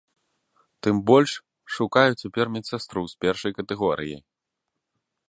Тым больш, шукаю цяпер медсястру з першай катэгорыяй.